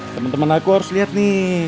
temen temen aku harus liat nih